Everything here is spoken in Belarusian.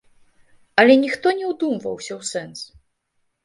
Але ніхто не ўдумваўся ў сэнс.